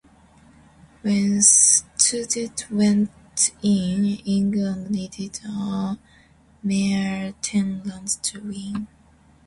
When Studd went in, England needed a mere ten runs to win.